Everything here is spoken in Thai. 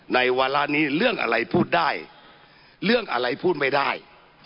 วาระนี้เรื่องอะไรพูดได้เรื่องอะไรพูดไม่ได้